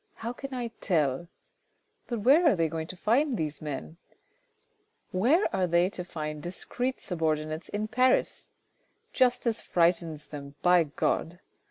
How can I tell ? But where are they going to find these men ? Where are they to find discreet subordinates in Paris ? Justice frightens them By God